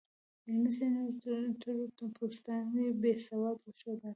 علمي څېړنو تور پوستان بې سواده وښودل.